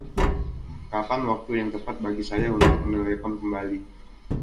Kapan waktu yang tepat bagi saya untuk menelepon kembali?